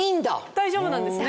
大丈夫なんですね